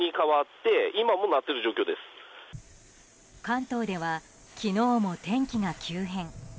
関東では昨日も天気が急変。